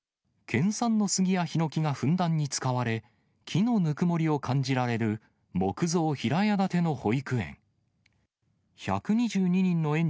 県産のスギやヒノキがふんだんに使われ、木のぬくもりを感じられる、木造平屋建ての保育園。